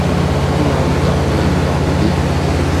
A na nta’ mi Ndam lié.